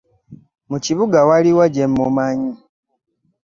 Mu kibuga waliwo gye mmumanyi.